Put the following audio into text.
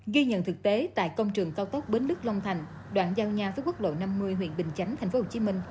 ghi nhận thực tế tại công trường cao tốc bến lức long thành đoạn giao nhau với quốc lộ năm mươi huyện bình chánh tp hcm